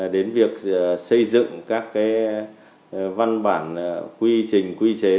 đến việc xây dựng các văn bản quy trình quy chế